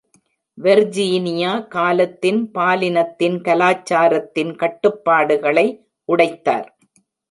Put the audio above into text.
Virginia காலத்தின், பாலினத்தின் கலாச்சாரத்தின் கட்டுப்பாடுகளை உடைத்தார்.